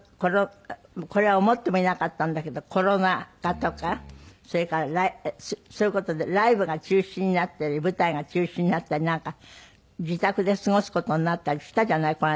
これは思ってもいなかったんだけどコロナ禍とかそれからそういう事でライブが中止になったり舞台が中止になったりなんか自宅で過ごす事になったりしたじゃない。